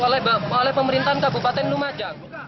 oleh pemerintahan kabupaten lumajang